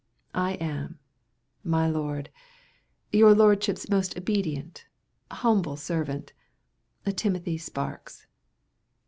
I am, My Lord, Your Lordship's most obedient, Humble Servant, TIMOTHY SPARKS.